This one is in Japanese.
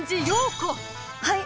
はい！